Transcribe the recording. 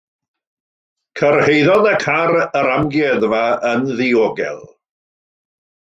Cyrhaeddodd y car yr amgueddfa yn ddiogel.